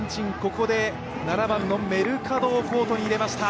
ここで７番のメルカドをコートに入れました。